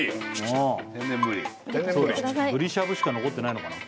天然ぶりぶりしゃぶしか残ってないのかな